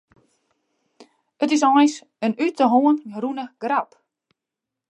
It is eins in út 'e hân rûne grap.